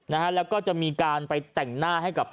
นะฮะแล้วก็จะมีการไปแต่งหน้าให้กับ